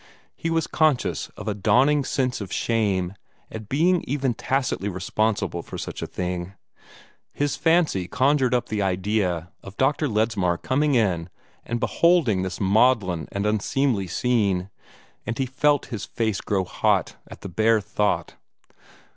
He was conscious of a dawning sense of shame at being even tacitly responsible for such a thing. His fancy conjured up the idea of Dr. Ledsmar coming in and beholding this maudlin and unseemly scene, and he felt his face grow hot at the bare thought.